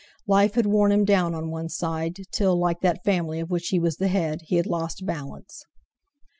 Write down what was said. Life had worn him down on one side, till, like that family of which he was the head, he had lost balance.